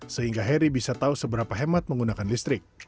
sehingga heri bisa tahu seberapa hemat menggunakan listrik